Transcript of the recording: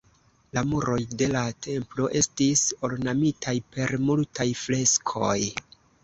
La muroj de la templo estis ornamitaj per multaj freskoj.